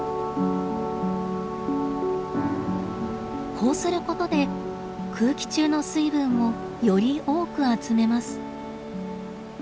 こうすることで空気中の水分をより多く集めます。